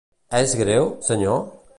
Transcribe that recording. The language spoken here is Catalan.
És greu, senyor?